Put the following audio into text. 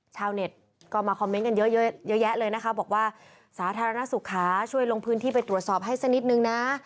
ชาวเน็ตก็มาคอมเมนต์กันเยอะแยะเลยนะคะบอกว่าสาธารณสุขค่ะช่วยลงพื้นที่ไปตรวจสอบให้สักนิดนึงนะ